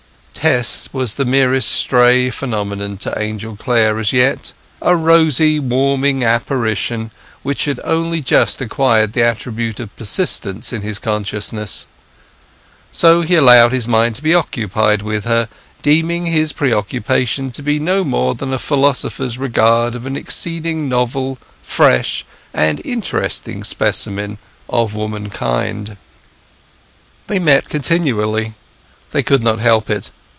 Tess was the merest stray phenomenon to Angel Clare as yet—a rosy, warming apparition which had only just acquired the attribute of persistence in his consciousness. So he allowed his mind to be occupied with her, deeming his preoccupation to be no more than a philosopher's regard of an exceedingly novel, fresh, and interesting specimen of womankind. They met continually; they could not help it.